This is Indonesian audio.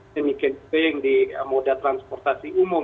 demikian juga yang di moda transportasi umum